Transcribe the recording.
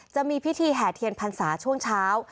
จะมีพิธีแห่เทียนพรรษาช่วงเช้า